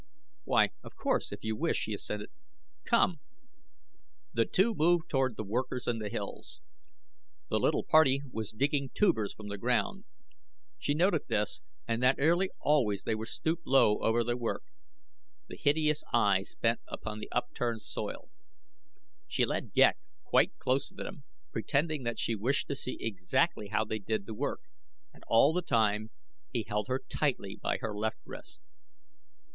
"Why, of course, if you wish," she assented. "Come!" The two moved toward the workers and the hills. The little party was digging tubers from the ground. She had noted this and that nearly always they were stooped low over their work, the hideous eyes bent upon the upturned soil. She led Ghek quite close to them, pretending that she wished to see exactly how they did the work, and all the time he held her tightly by her left wrist.